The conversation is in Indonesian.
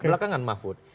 dan belakangan mafud